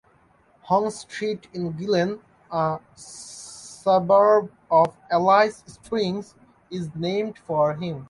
Hong Street in Gillen (a suburb of Alice Springs) is named for him.